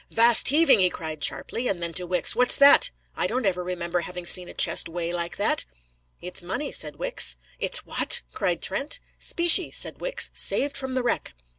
"'Vast heaving!" he cried sharply; and then to Wicks: "What's that? I don't ever remember to have seen a chest weigh like that." "It's money," said Wicks. "It's what?" cried Trent. "Specie," said Wicks; "saved from the wreck."